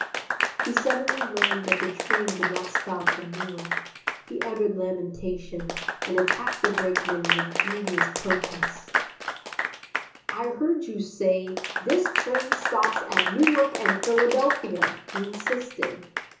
He suddenly learned that the train did not stop at Newark. He uttered lamentation, and attacked the brakeman with grievous protest. "I heard you say, This train stops at Newark and Philadelphia," he insisted.